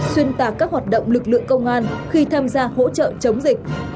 xuyên tạc các hoạt động lực lượng công an khi tham gia hỗ trợ chống dịch